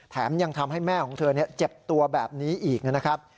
แถมยังทำให้แม่ของเธอเจ็บตัวแบบนี้อีกนะครับ